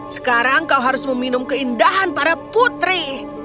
sekarang kau harus meminum keindahan para putri